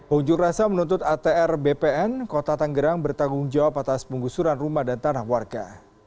unjuk rasa menuntut atr bpn kota tanggerang bertanggung jawab atas penggusuran rumah dan tanah warga